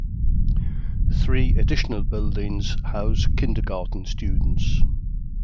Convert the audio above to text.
Three additional buildings house kindergarten students.